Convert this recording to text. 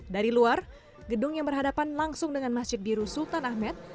dari luar gedung yang berhadapan langsung dengan masjid biru sultan ahmed